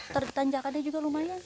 teritanjakannya juga lumayan